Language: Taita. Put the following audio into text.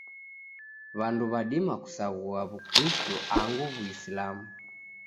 w'andu w'adima kusaghua w'ukristo angu w'uislamu